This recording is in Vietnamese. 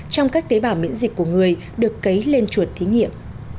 trong các tế bào miễn dịch của người được cấy lên chuột thí nghiệm